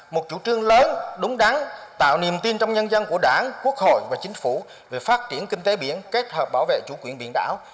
một chủ trương lớn đúng đắn tạo niềm tin trong nhân dân của đảng quốc hội và chính phủ về phát triển kinh tế biển kết hợp bảo vệ chủ quyền biển đảo